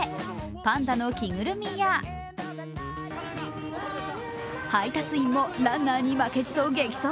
パンダの着ぐるみや配達員もランナーに負けじと激走。